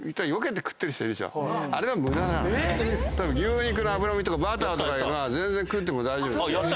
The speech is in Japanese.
牛肉の脂身とかバターとか全然食っても大丈夫ですよ。